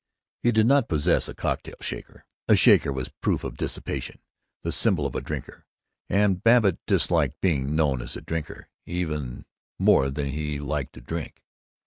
He did not possess a cocktail shaker. A shaker was proof of dissipation, the symbol of a Drinker, and Babbitt disliked being known as a Drinker even more than he liked a Drink.